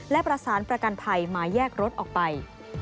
และประสานประกันภัยมาแยกรถออกไป